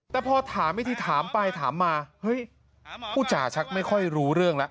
แต่พอถามอีกทีถามไปถามมาเฮ้ยผู้จ่าชักไม่ค่อยรู้เรื่องแล้ว